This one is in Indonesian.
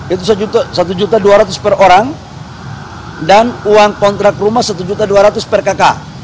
itu satu juta dua ratus per orang dan uang kontrak rumah satu juta dua ratus per kakak